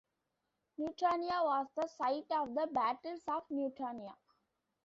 Newtonia was the site of the Battles of Newtonia.